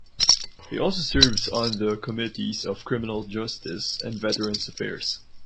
He also serves on the committees of Criminal Justice; and Veteran's Affairs.